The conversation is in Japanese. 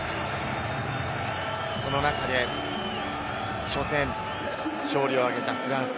その中で、初戦、勝利を挙げたフランス。